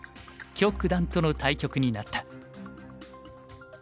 許九段との対局になった。